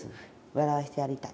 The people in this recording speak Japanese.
笑わせてやりたい。